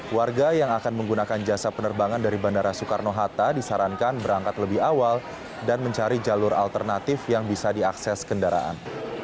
warga yang akan menggunakan jasa penerbangan dari bandara soekarno hatta disarankan berangkat lebih awal dan mencari jalur alternatif yang bisa diakses kendaraan